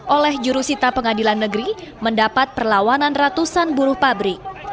oleh jurusita pengadilan negeri mendapat perlawanan ratusan buruh pabrik